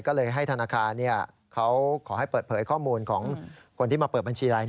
ก็เลยให้ธนาคารเขาขอให้เปิดเผยข้อมูลของคนที่มาเปิดบัญชีอะไร